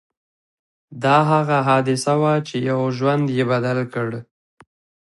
دا هغه حادثه وه چې يو ژوند يې بدل کړ.